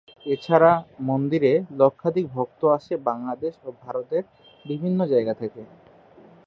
এছাড়া মন্দিরে লক্ষাধিক ভক্ত আসে বাংলাদেশ ও ভারতের বিভিন্ন জায়গা থেকে।